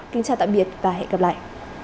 kính chào tạm biệt và hẹn gặp lại